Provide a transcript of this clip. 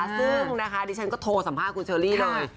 ซึ่งดิฉันก็ขอสัมภาษณ์เรื่องคุณเชอร์ลี้เลย